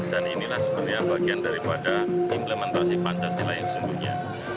dan inilah sebenarnya bagian daripada implementasi pancasila yang sebutnya